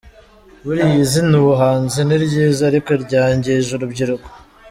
Buriya izina ubuhanzi ni ryiza ariko ryangije urubyiruko.